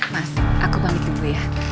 mas aku bangun dulu ya